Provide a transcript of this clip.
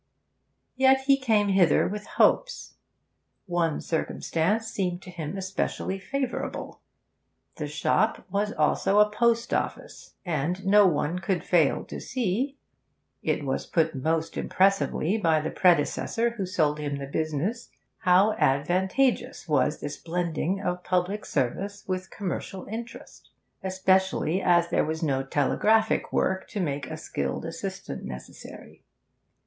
Yet he came hither with hopes. One circumstance seemed to him especially favourable: the shop was also a post office, and no one could fail to see (it was put most impressively by the predecessor who sold him the business) how advantageous was this blending of public service with commercial interest; especially as there was no telegraphic work to make a skilled assistant necessary.